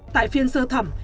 tại phiên sơ thẩm